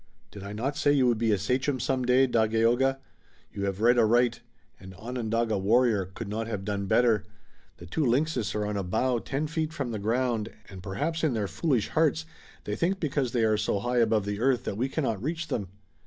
"Did I not say you would be a sachem some day, Dagaeoga? You have read aright. An Onondaga warrior could not have done better. The two lynxes are on a bough ten feet from the ground, and perhaps in their foolish hearts they think because they are so high above the earth that we cannot reach them."